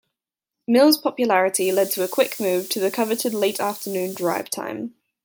Mills' popularity led to a quick move to the coveted late afternoon 'drive time'.